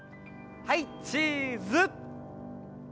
はい、チーズ。